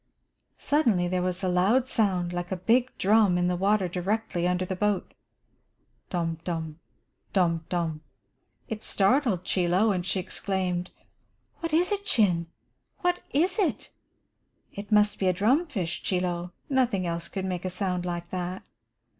Suddenly there was a loud sound, like a big drum, in the water directly under the boat. "Tom, tom! Tom, tom!" It startled Chie Lo, and she exclaimed: "What is it, Chin? What is it?" "It must be a drum fish, Chie Lo. Nothing else could make a sound like that."